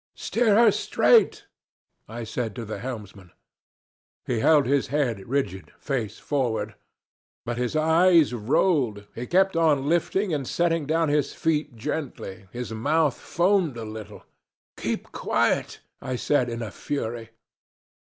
'Steer her straight,' I said to the helmsman. He held his head rigid, face forward; but his eyes rolled, he kept on lifting and setting down his feet gently, his mouth foamed a little. 'Keep quiet!' I said in a fury.